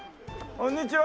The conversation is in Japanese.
こんにちは！